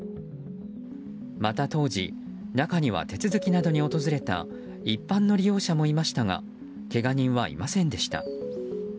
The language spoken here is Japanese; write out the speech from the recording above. また当時、中には手続きなどに訪れた一般の利用者もいましたがけが人はいませんでした。